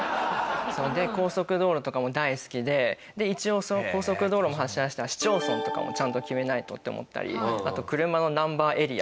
高速道路とかも大好きで一応高速道路も走らせたら市町村とかもちゃんと決めないとって思ったりあと車のナンバーエリア